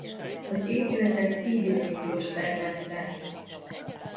Az épületet Ybl Miklós tervezte.